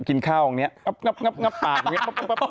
ปากอย่างเนี้ย